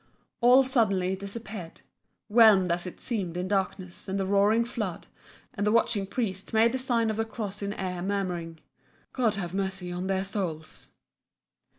All suddenly it disappeared, whelmed as it seemed in darkness and the roaring flood, and the watching priest made the sign of the cross in air murmuring "God have mercy on their souls!"